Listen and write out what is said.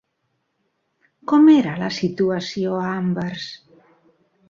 Com era la situació a Anvers?